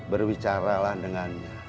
berbicara lah dengannya